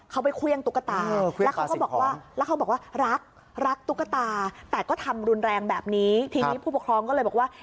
เขาไปเครื่องตุ๊กตาแล้วเขาบอกว่ารักตุ๊กตาแต่ก็ทำรุนแรงแบบนี้ทีนี้ผู้ปกครองก็เลยบอกว่า